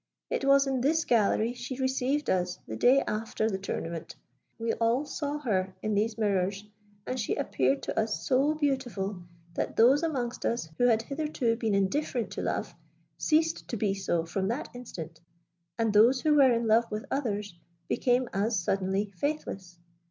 It was in this gallery she received us the day after the tournament. We all saw her in these mirrors, and she appeared to us so beautiful, that those amongst us who had hitherto been indifferent to love, ceased to be so from that instant; and those who were in love with others became as suddenly faithless.